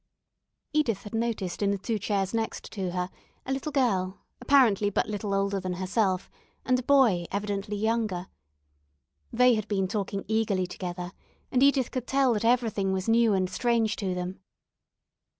Edith had noticed in the two chairs next to her a little girl, apparently but little older than herself, and a boy evidently younger. They had been talking eagerly together, and Edith could tell that everything was new and strange to them.